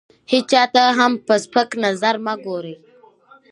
هېچا ته هم په سپک نظر مه ګورئ!